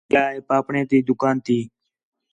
ڳِیا ہے پاپڑیں تی دُکان تی